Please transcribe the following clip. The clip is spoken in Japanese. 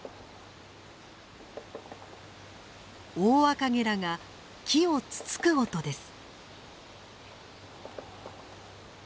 オオアカゲラが木をつつく音です。